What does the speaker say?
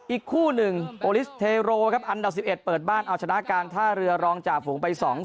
อีกคู่หนึ่งโอลิสเทโรครับอันดับ๑๑เปิดบ้านเอาชนะการท่าเรือรองจ่าฝูงไป๒๐